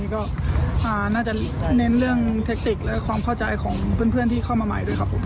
ก็น่าจะเน้นเรื่องเทคติกและความเข้าใจของเพื่อนที่เข้ามาใหม่ด้วยครับผม